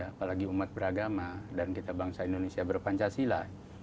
apalagi umat beragama dan kita bangsa indonesia berpancasila